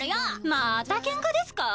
またケンカですかぁ？